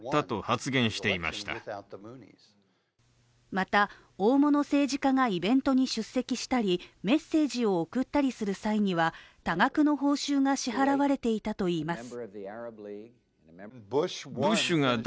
また、大物政治家がイベントに出席したりメッセージを送ったりする際には多額の報酬が支払われていたといいます。